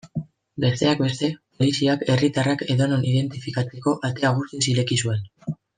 Besteak beste, poliziak herritarrak edonon identifikatzeko atea guztiz ireki zuen.